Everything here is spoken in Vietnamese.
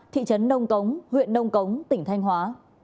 thị trấn nông cống huyện nông cống tỉnh thanh hóa